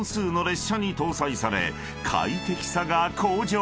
［快適さが向上］